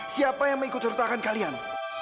siapa yang mengikut sertakan kalian